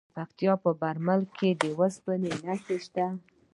د پکتیکا په برمل کې د اوسپنې نښې شته.